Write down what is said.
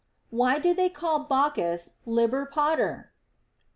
Why did they call Bacchus Liber Pater